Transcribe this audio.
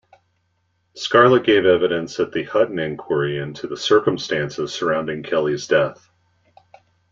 Scarlett gave evidence at the Hutton Inquiry into the circumstances surrounding Kelly's death.